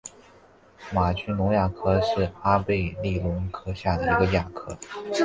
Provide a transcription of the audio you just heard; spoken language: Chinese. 玛君龙亚科是阿贝力龙科下的一个亚科。